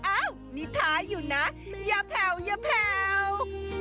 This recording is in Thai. อ้าวนี่ท้ายอยู่นะอย่าแผ่วอย่าแผ่ว